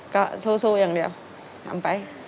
ก็สู้อย่างเดียวทำไป